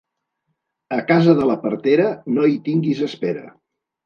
A casa de la partera no hi tinguis espera.